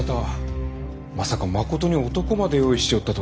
まさかまことに男まで用意しておったとは。